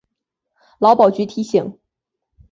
劳保局提醒